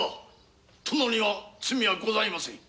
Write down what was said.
殿に罪はございません！